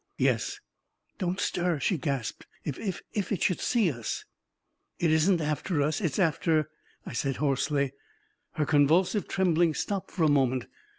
44 Yes." 44 Don't stir! " she gasped. 44 If it — if it should see us !" 44 It isn't us it's after I " I said hoarsely. Her convulsive trembling stopped for a moment.